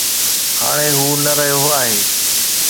هاڻي هو نه رهيو آهي.